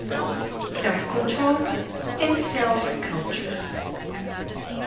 SELF CONTROL AND SELF CULTURE.